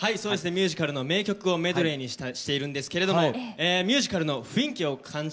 ミュージカルの名曲をメドレーにしているんですけれどもミュージカルの雰囲気を感じて頂きたく